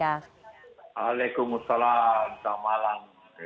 waalaikumsalam selamat malam